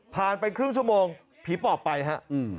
ไปครึ่งชั่วโมงผีปอบไปฮะ